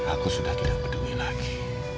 aku sudah tidak peduli lagi